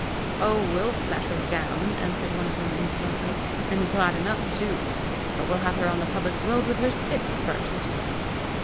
"Oh, we'll set her down," answered one of them insolently, " and glad enough too! but we'll have her on the public road with her sticks first!"